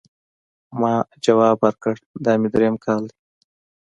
ما ځواب ورکړ، دا مې درېیم کال دی.